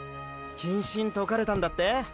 謹慎とかれたんだって？